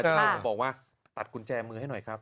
บอกว่าตัดกุญแจมือให้หน่อยครับ